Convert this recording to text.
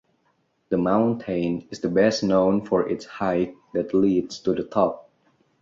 The mountain is best known for its hike that leads to the top.